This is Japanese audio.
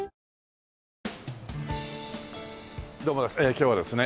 今日はですね